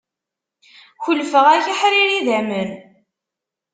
Kullfeɣ-ak aḥrir idamen.